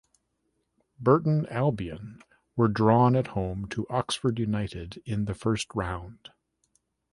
Burton Albion were drawn at home to Oxford United in the first round.